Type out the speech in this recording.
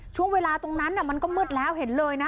ช่วงเวลาตรงนั้นมันก็มืดแล้วเห็นเลยนะ